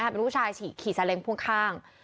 เป็นผู้ชายขี่ซาเล้งพ่วงข้าง